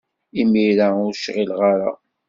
Imir-a ur cɣileɣ ara.